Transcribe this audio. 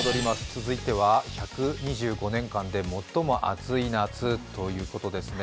続いては１２５年間で最も暑い夏ということですね。